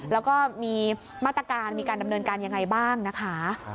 แล้วก็มีมาตรการมีการดำเนินการยังไงบ้างนะคะ